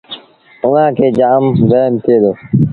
اُئآݩ کي جآم وهيم ٿئي دو